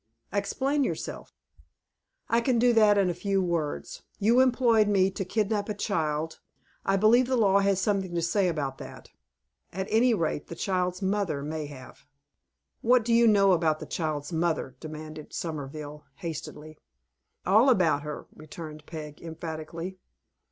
"Explain yourself." "I can do that in a few words. You employed me to kidnap a child. I believe the law has something to say about that. At any rate, the child's mother may have." "What do you know about the child's mother?" demanded Somerville, hastily. "All about her!" returned Peg, emphatically.